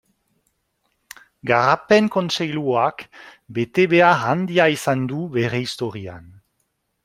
Garapen Kontseiluak betebehar handia izan du bere historian.